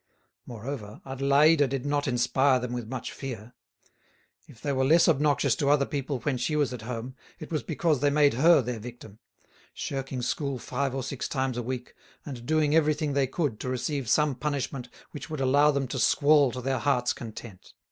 Moreover, Adélaïde did not inspire them with much fear; if they were less obnoxious to other people when she was at home, it was because they made her their victim, shirking school five or six times a week and doing everything they could to receive some punishment which would allow them to squall to their hearts' content.